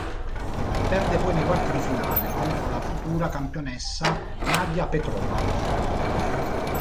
Perde poi nei quarti di finale contro la futura campionessa Nadia Petrova.